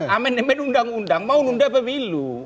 amen demen undang undang mau nunda pemilu